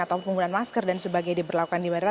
atau penggunaan masker dan sebagainya diberlakukan di bandara